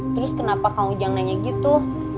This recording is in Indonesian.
terus kenapa kang ujang nanya gitu